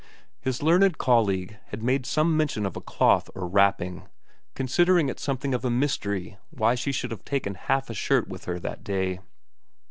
His learned colleague had made some mention of a cloth or wrapping, considering it something of a mystery why she should have taken half a shirt with her that day.